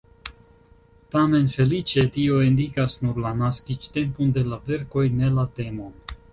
Tamen feliĉe tio indikas nur la naskiĝtempon de la verkoj, ne la temon.